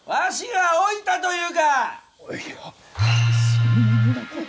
そんなこと。